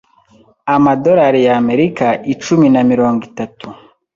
'amadolari y'Amerika icum na mirongo itatu